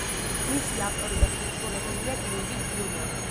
მისი ავტორი და შემსრულებელია დეივიდ გილმორი.